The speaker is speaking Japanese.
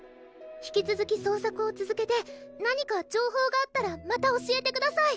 引きつづき捜索をつづけて何か情報があったらまた教えてください